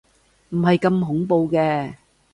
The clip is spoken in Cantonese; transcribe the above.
唔係咁恐怖嘅